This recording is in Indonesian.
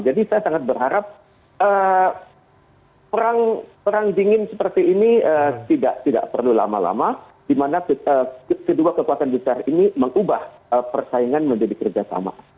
jadi saya sangat berharap perang dingin seperti ini tidak perlu lama lama di mana kedua kekuatan besar ini mengubah persaingan menjadi kerja sama